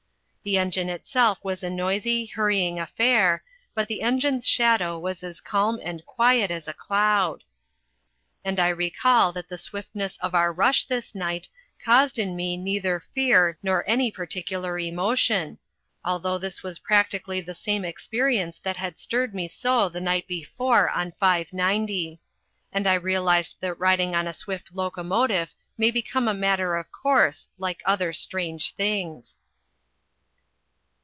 The engine itself was a noisy, hurrying affair, but the engine's shadow was as calm and quiet as a cloud. And I recall that the swiftness of our rush this night caused in me neither fear nor any particular emotion, although this was practically the same experience that had stirred me so the night before on 590. And I realized that riding on a swift locomotive may become a matter of course like other strange things.